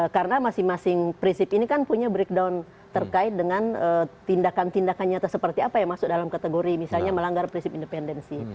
karena masing masing prinsip ini kan punya breakdown terkait dengan tindakan tindakan nyata seperti apa yang masuk dalam kategori misalnya melanggar prinsip independensi